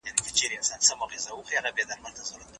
که کاغذ وي نو لیک نه ورکېږي.